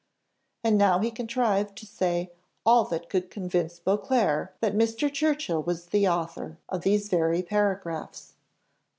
And now he contrived to say all that could convince Beauclerc that Mr. Churchill was the author of these very paragraphs.